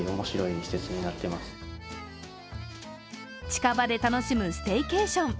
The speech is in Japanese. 近場で楽しむステイケーション。